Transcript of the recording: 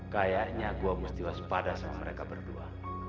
kayaknya gue mesti waspada sama mereka berdua